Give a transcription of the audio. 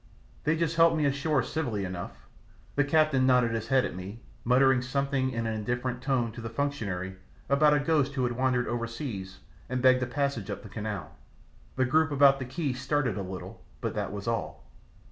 They just helped me ashore civilly enough, the captain nodded his head at me, muttering something in an indifferent tone to the functionary about a ghost who had wandered overseas and begged a passage up the canal; the group about the quay stared a little, but that was all.